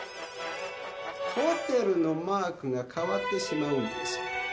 ホテルのマークが変わってしまうんですよ。